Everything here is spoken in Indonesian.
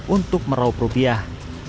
untuk merauh rupiah